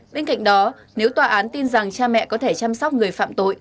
bên cạnh đó nếu tòa án tin rằng cha mẹ có thể chăm sóc người phạm tội